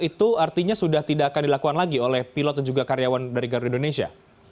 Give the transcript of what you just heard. itu artinya sudah tidak akan dilakukan lagi oleh pilot dan juga karyawan dari garuda indonesia